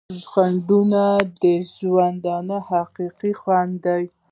• خندېدل د ژوند حقیقي خوند دی.